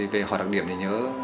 về hỏi đặc điểm thì nhớ